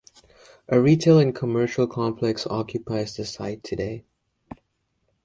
A retail and commercial complex occupies the site today.